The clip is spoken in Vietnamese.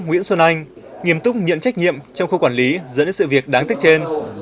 nguyễn xuân anh nghiêm túc nhận trách nhiệm trong khâu quản lý dẫn đến sự việc đáng tiếc trên